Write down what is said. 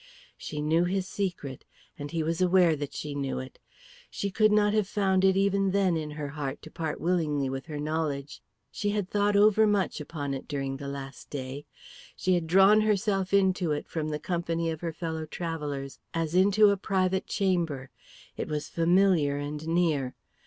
She knew his secret, and he was aware that she knew it. She could not have found it even then in her heart to part willingly with her knowledge. She had thought over much upon it during the last day. She had withdrawn herself into it from the company of her fellow travellers, as into a private chamber; it was familiar and near.